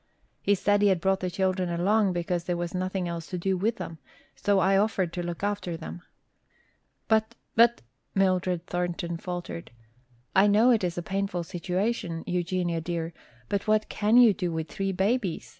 He said he had brought the children along because there was nothing else to do with them, so I offered to look after them." "But, but," Mildred Thornton faltered. "I know it is a painful situation, Eugenia dear, but what can you do with three babies?